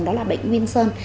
đó là bệnh nguyên sơn